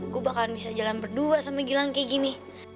gue bakalan bisa jalan berdua sama jilang kayak gini